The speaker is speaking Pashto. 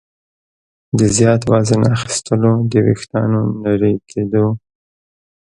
د زیات وزن اخیستلو، د ویښتانو نري کېدو